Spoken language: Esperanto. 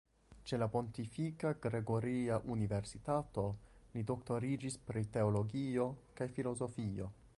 Ĉe la Pontifika Gregoria Universitato li doktoriĝis pri teologio kaj filozofio.